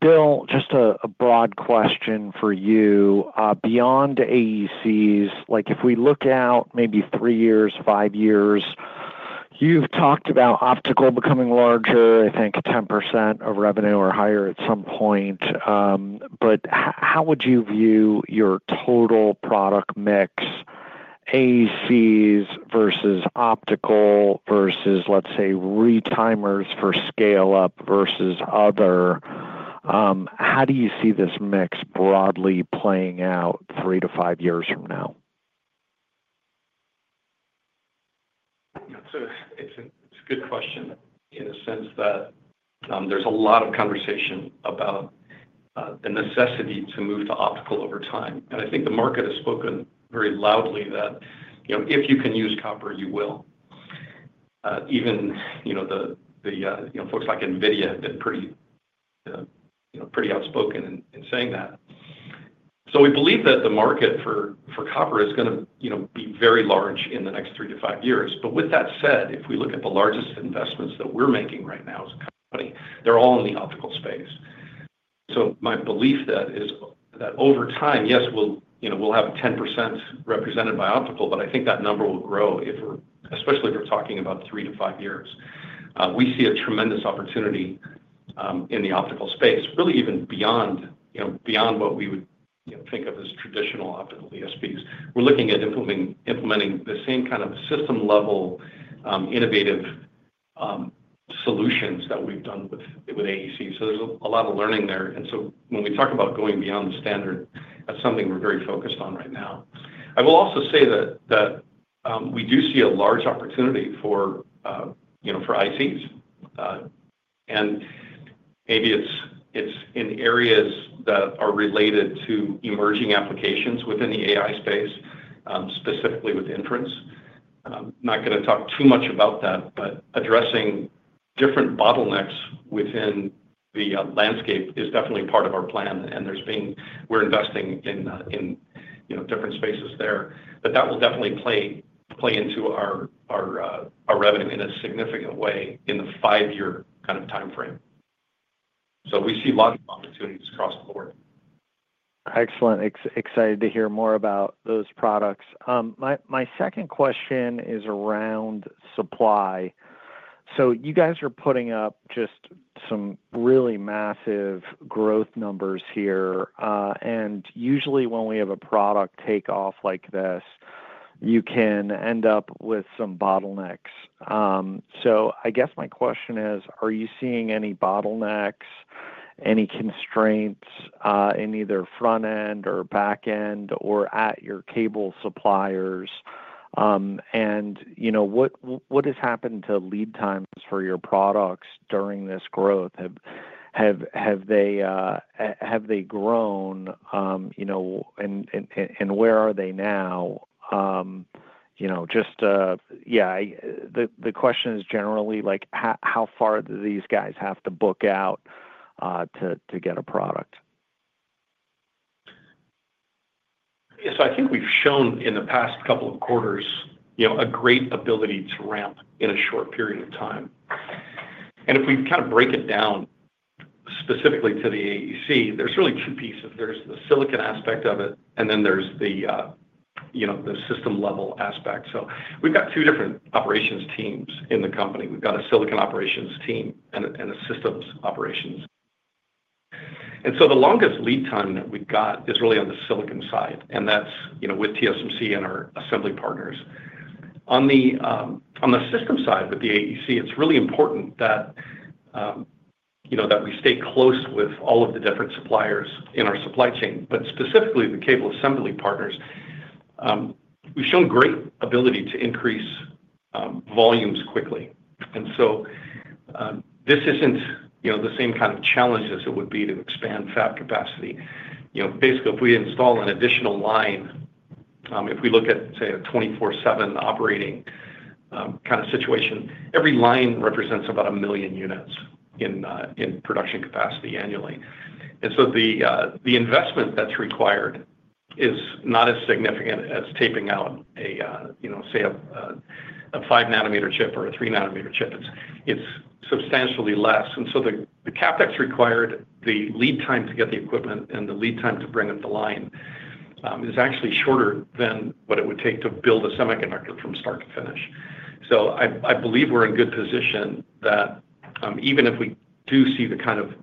S12: Bill, just a broad question for you. Beyond AECs, if we look out maybe three years, five years, you've talked about optical becoming larger, I think 10% of revenue or higher at some point. How would you view your total product mix, AECs versus optical versus, let's say, retimers for scale-up versus other? How do you see this mix broadly playing out three to five years from now?
S3: It's a good question in the sense that there's a lot of conversation about the necessity to move to optical over time. I think the market has spoken very loudly that if you can use copper, you will. Even the folks like NVIDIA have been pretty outspoken in saying that. We believe that the market for copper is going to be very large in the next three to five years. With that said, if we look at the largest investments that we're making right now as a company, they're all in the optical space. My belief is that over time, yes, we'll have 10% represented by optical, but I think that number will grow, especially if we're talking about three to five years. We see a tremendous opportunity in the optical space, really even beyond what we would think of as traditional optical DSPs. We're looking at implementing the same kind of system-level innovative solutions that we've done with AEC. There is a lot of learning there. When we talk about going beyond the standard, that is something we're very focused on right now. I will also say that we do see a large opportunity for ICs. Maybe it's in areas that are related to emerging applications within the AI space, specifically with inference. I'm not going to talk too much about that, but addressing different bottlenecks within the landscape is definitely part of our plan. We're investing in different spaces there. That will definitely play into our revenue in a significant way in the five-year kind of timeframe. We see lots of opportunities across the board.
S12: Excellent. Excited to hear more about those products. My second question is around supply. You guys are putting up just some really massive growth numbers here. Usually, when we have a product takeoff like this, you can end up with some bottlenecks. I guess my question is, are you seeing any bottlenecks, any constraints in either front-end or back-end or at your cable suppliers? What has happened to lead times for your products during this growth? Have they grown, and where are they now? The question is generally how far do these guys have to book out to get a product.
S3: I think we've shown in the past couple of quarters a great ability to ramp in a short period of time. If we kind of break it down specifically to the AEC, there's really two pieces. There's the silicon aspect of it, and then there's the system-level aspect. We have got two different operations teams in the company. We have got a silicon operations team and a systems operations. The longest lead time that we have got is really on the silicon side, and that is with TSMC and our assembly partners. On the system side with the AEC, it is really important that we stay close with all of the different suppliers in our supply chain, but specifically the cable assembly partners. We have shown great ability to increase volumes quickly. This is not the same kind of challenge as it would be to expand fab capacity. Basically, if we install an additional line, if we look at, say, a 24/7 operating kind of situation, every line represents about 1 million units in production capacity annually. The investment that is required is not as significant as taping out, say, a 5-nm chip or a 3-nm chip. It's substantially less. And so the CapEx required, the lead time to get the equipment, and the lead time to bring up the line is actually shorter than what it would take to build a semiconductor from start to finish. I believe we're in good position that even if we do see the kind of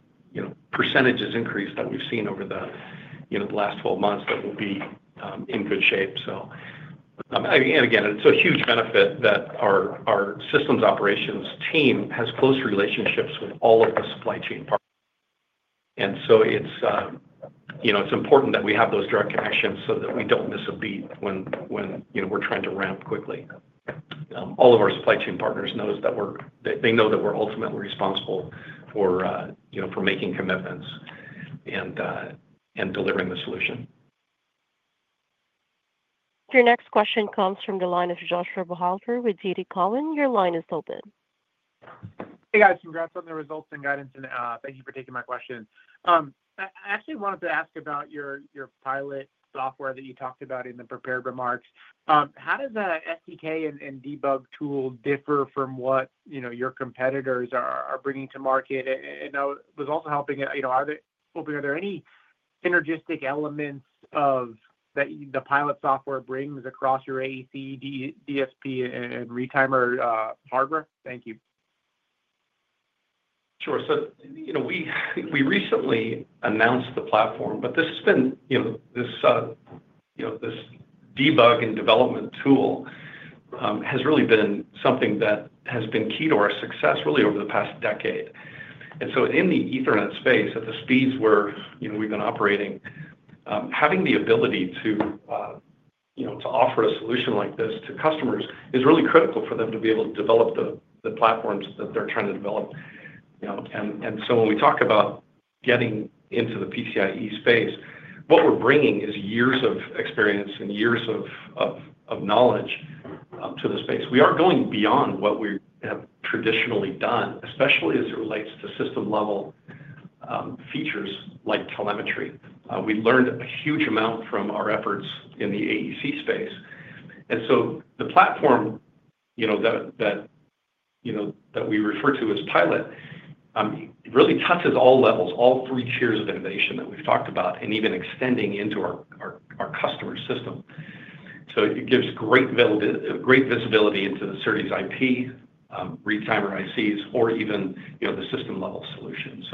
S3: percentage increase that we've seen over the last 12 months, we'll be in good shape. Again, it's a huge benefit that our systems operations team has close relationships with all of the supply chain partners. It's important that we have those direct connections so that we don't miss a beat when we're trying to ramp quickly. All of our supply chain partners know that, they know that we're ultimately responsible for making commitments and delivering the solution.
S1: Your next question comes from the line of Joshua Buchalter with TD Cowen. Your line is open.
S13: Hey, guys. Congrats on the results and guidance. And thank you for taking my question. I actually wanted to ask about your PILOT software that you talked about in the prepared remarks. How does the SDK and debug tool differ from what your competitors are bringing to market? And I was also hoping are there any synergistic elements that the PILOT software brings across your AEC, DSP, and retimer hardware? Thank you.
S3: Sure. So we recently announced the platform, but this debug and development tool has really been something that has been key to our success really over the past decade. In the Ethernet space, at the speeds where we've been operating, having the ability to offer a solution like this to customers is really critical for them to be able to develop the platforms that they're trying to develop. When we talk about getting into the PCIe space, what we're bringing is years of experience and years of knowledge to the space. We are going beyond what we have traditionally done, especially as it relates to system-level features like telemetry. We learned a huge amount from our efforts in the AEC space. The platform that we refer to as PILOT really touches all levels, all three tiers of innovation that we've talked about, and even extends into our customer system. It gives great visibility into the SerDes IP, retimer ICs, or even the system-level solution.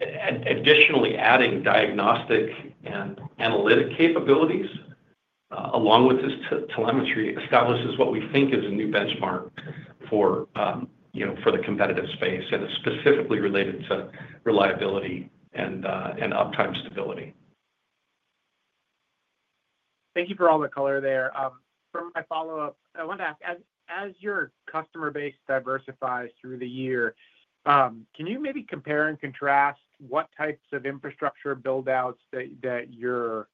S3: Additionally, adding diagnostic and analytic capabilities along with this telemetry establishes what we think is a new benchmark for the competitive space, and it is specifically related to reliability and uptime stability.
S13: Thank you for all the color there. For my follow-up, I wanted to ask, as your customer base diversifies through the year, can you maybe compare and contrast what types of infrastructure buildouts that you're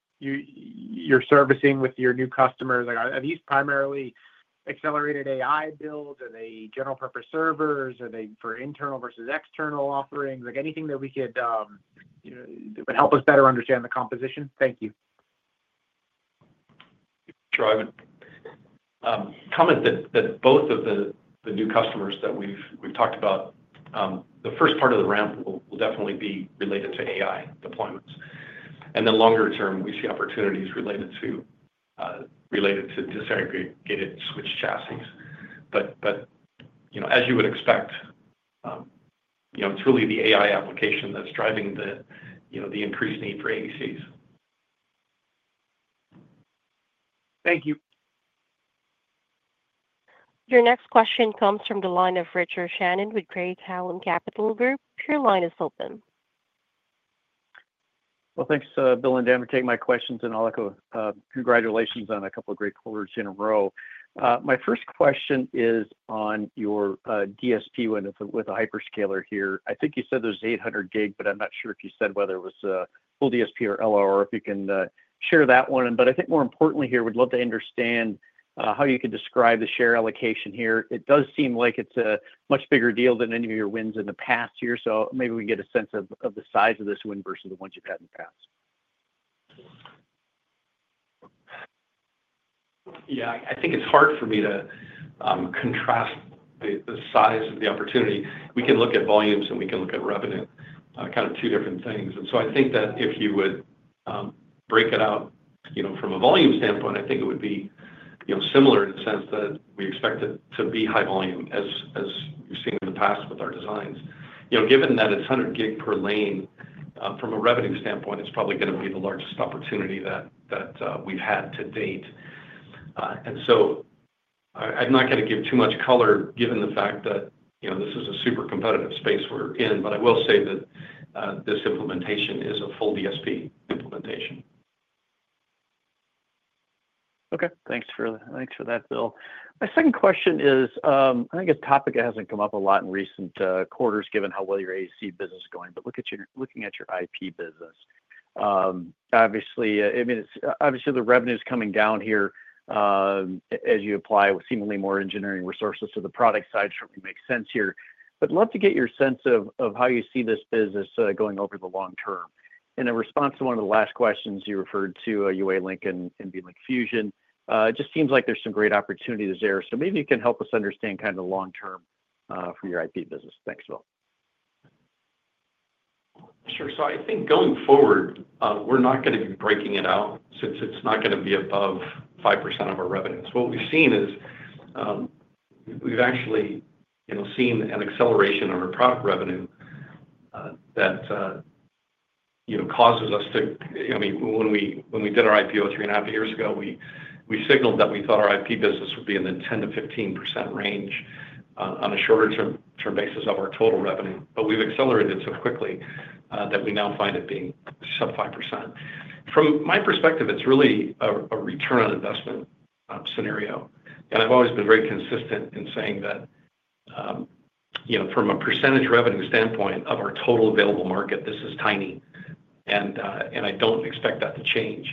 S13: servicing with your new customers? Are these primarily accelerated AI builds? Are they general-purpose servers? Are they for internal versus external offerings? Anything that would help us better understand the composition? Thank you.
S3: Driven. Comment that both of the new customers that we've talked about, the first part of the ramp will definitely be related to AI deployments. Then longer term, we see opportunities related to disaggregated switch chassis. As you would expect, it's really the AI application that's driving the increased need for AECs.
S13: Thank you.
S1: Your next question comes from the line of Richard Shannon with Craig-Hallum Capital Group. Your line is open.
S14: Thanks, Bill and Dan. We're taking my questions, and I'll echo congratulations on a couple of great quarters in a row. My first question is on your DSP with a hyperscaler here. I think you said there's 800 G, but I'm not sure if you said whether it was full DSP or LRO, or if you can share that one. I think more importantly here, we'd love to understand how you could describe the share allocation here. It does seem like it's a much bigger deal than any of your wins in the past year. Maybe we can get a sense of the size of this win versus the ones you've had in the past.
S3: Yeah. I think it's hard for me to contrast the size of the opportunity. We can look at volumes, and we can look at revenue, kind of two different things. I think that if you would break it out from a volume standpoint, I think it would be similar in the sense that we expect it to be high volume, as we've seen in the past with our designs. Given that it's 100 G per lane, from a revenue standpoint, it's probably going to be the largest opportunity that we've had to date. I'm not going to give too much color given the fact that this is a super competitive space we're in, but I will say that this implementation is a full DSP implementation.
S14: Okay. Thanks for that, Bill. My second question is, I think a topic that hasn't come up a lot in recent quarters given how well your AEC business is going, but looking at your IP business. Obviously, I mean, obviously, the revenue is coming down here as you apply with seemingly more engineering resources to the product side, certainly makes sense here. I'd love to get your sense of how you see this business going over the long term. In response to one of the last questions, you referred to UALink and NVLink Fusion. It just seems like there's some great opportunities there. Maybe you can help us understand kind of the long term for your IP business. Thanks, Bill.
S3: Sure. I think going forward, we're not going to be breaking it out since it's not going to be above 5% of our revenues. What we've seen is we've actually seen an acceleration in our product revenue that causes us to, I mean, when we did our IPO 3.5 years ago, we signaled that we thought our IP business would be in the 10%-15% range on a shorter-term basis of our total revenue. But we've accelerated so quickly that we now find it being sub 5%. From my perspective, it's really a return on investment scenario. And I've always been very consistent in saying that from a percentage revenue standpoint of our total available market, this is tiny. I don't expect that to change.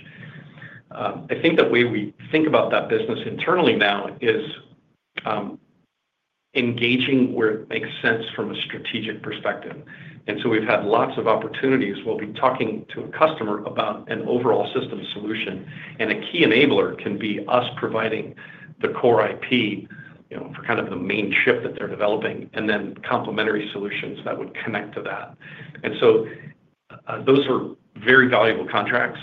S3: I think the way we think about that business internally now is engaging where it makes sense from a strategic perspective. We've had lots of opportunities. We'll be talking to a customer about an overall system solution. A key enabler can be us providing the core IP for kind of the main chip that they're developing and then complementary solutions that would connect to that. Those are very valuable contracts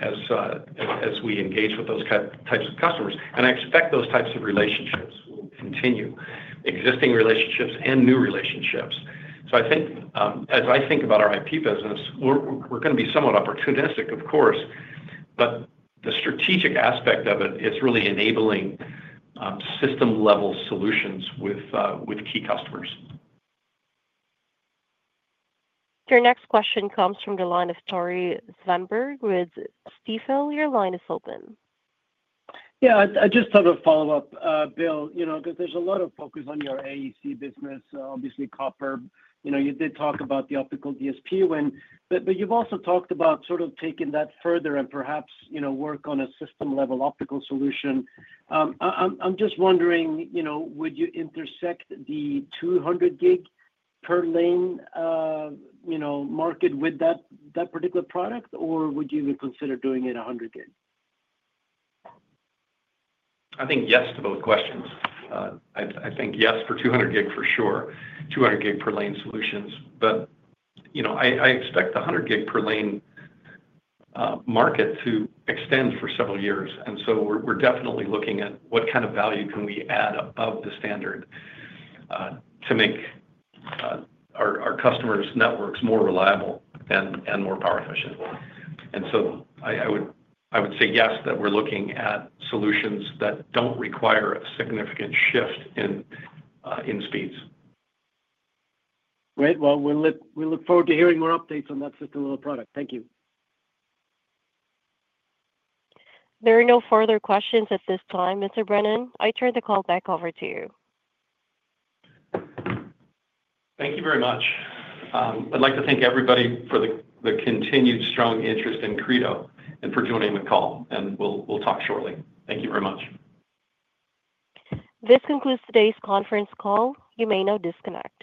S3: as we engage with those types of customers. I expect those types of relationships will continue, existing relationships and new relationships. I think as I think about our IP business, we're going to be somewhat opportunistic, of course, but the strategic aspect of it is really enabling system-level solutions with key customers.
S1: Your next question comes from the line of Tore Svanberg with Stifel. Your line is open.
S6: Yeah. I just thought of a follow-up, Bill, because there's a lot of focus on your AEC business, obviously, Copper. You did talk about the optical DSP, but you've also talked about sort of taking that further and perhaps work on a system-level optical solution. I'm just wondering, would you intersect the 200 G per lane market with that particular product, or would you even consider doing it 100 G?
S3: I think yes to both questions. I think yes for 200 G for sure, 200 G per lane solutions. I expect the 100 G per lane market to extend for several years. We are definitely looking at what kind of value can we add above the standard to make our customers' networks more reliable and more power efficient. I would say yes that we are looking at solutions that do not require a significant shift in speeds.
S6: Great. We look forward to hearing more updates on that system-level product. Thank you.
S1: There are no further questions at this time, Mr. Brennan. I turn the call back over to you.
S3: Thank you very much. I'd like to thank everybody for the continued strong interest in Credo and for joining the call. We'll talk shortly. Thank you very much.
S1: This concludes today's conference call. You may now disconnect.